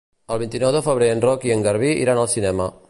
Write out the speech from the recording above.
El vint-i-nou de febrer en Roc i en Garbí iran al cinema.